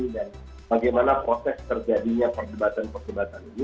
dan bagaimana proses terjadinya perdebatan ini